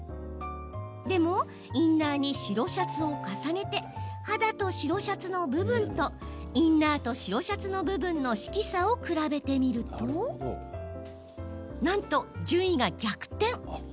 でもインナーに白シャツを重ねて肌と白シャツの部分とインナーと白シャツの部分の色差を比べてみるとなんと、順位が逆転。